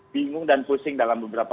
bingung dan pusing dalam beberapa